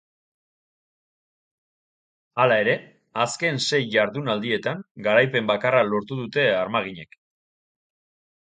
Hala ere, azken sei jardunaldietan garaipen bakarra lortu dute armaginek.